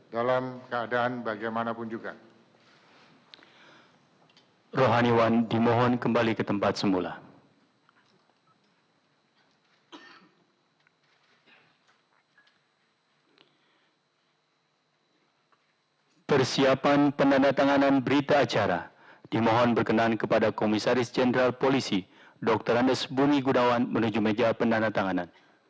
dalam keadaan bagaimanapun juga